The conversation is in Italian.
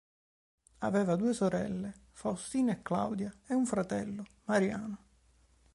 Aveva due sorelle: Faustina e Claudia e un fratello: Mariano.